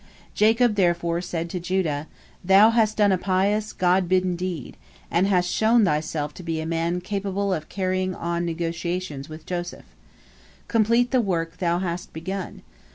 Jacob therefore said to Judah: "Thou hast done a pious, God bidden deed, and hast shown thyself to be a man capable of carrying on negotiations with Joseph. Complete the work thou hast begun!